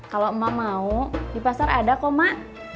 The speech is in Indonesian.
kalau emak mau di pasar ada kok mak